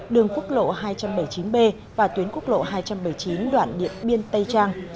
đường quốc lộ hai trăm bảy mươi chín b và tuyến quốc lộ hai trăm bảy mươi chín đoạn điện biên tây trang